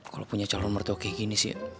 kalau punya calon merto kayak gini sih